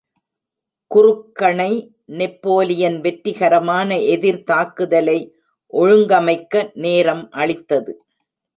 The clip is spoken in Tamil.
குறுக்கணை நெப்போலியன் வெற்றிகரமான எதிர் தாக்குதலை ஒழுங்கமைக்க நேரம் அளித்தது.